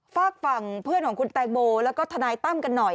ฝากฝั่งเพื่อนของคุณแตงโมแล้วก็ทนายตั้มกันหน่อย